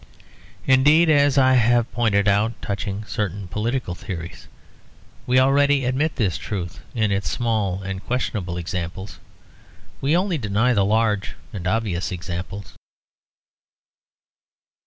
Indeed, as I have pointed out touching certain political theories, we already admit this truth in its small and questionable examples. We only deny the large and obvious examples.